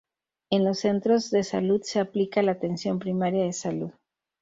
En los centros de salud se aplica la Atención Primaria de Salud.